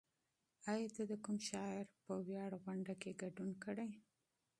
ایا ته د کوم شاعر په ویاړ غونډه کې ګډون کړی؟